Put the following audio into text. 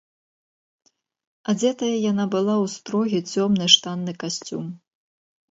Адзетая яна была ў строгі цёмны штанны касцюм.